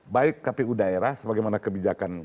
baik kpu daerah sebagaimana kebijakan